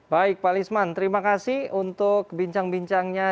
baik pak lisman terima kasih untuk bincang bincangnya